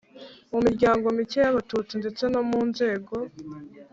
mu miryango mike y Abatutsi ndetse no mu nzego